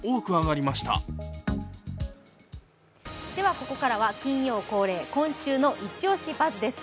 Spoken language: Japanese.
ここからは金曜恒例「今週のイチオシバズ！」です。